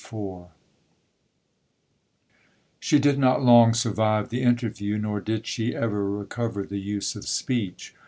'She did not long survive the interview, nor did she ever recover the use of speech.